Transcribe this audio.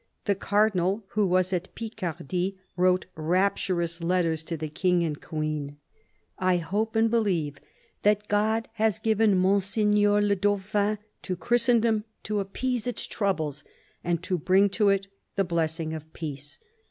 The Cardinal, who was in Picardy, wrote rapturous letters to the King and Queen. " I hope and believe that God has given Monseigneur le Dauphin to Christendom to appease its troubles, and to bring to it the blessing of peace.